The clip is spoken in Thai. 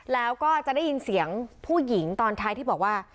แล้วก็จะได้ยินเสียงผู้หญิงตอนท้ายที่บอกว่า